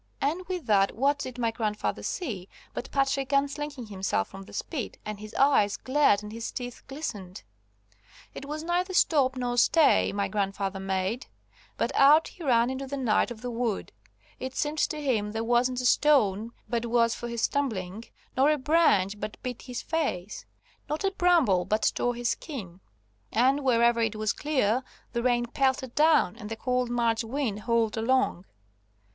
And with that what did my grandfather see, but Patrick unslinging himself from the spit, and his eyes glared and his teeth glistened. It was neither stop nor stay my grandfather made, but out he ran into the night of the wood. It seemed to him there wasn't a stone but was for his stumbling, not a branch but beat his face, not a bramble but tore his skin. And wherever it was clear the rain pelted down and the cold March wind howled along.